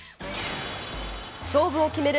勝負を決める